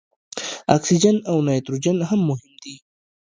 اکسیجن او نایتروجن هم مهم دي.